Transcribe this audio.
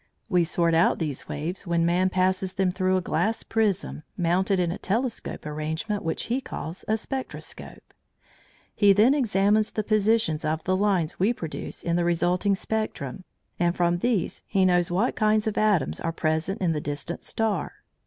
We sort out these waves when man passes them through a glass prism, mounted in a telescope arrangement which he calls a spectroscope. He then examines the positions of the lines we produce in the resulting spectrum, and from these he knows what kinds of atoms are present in the distant star.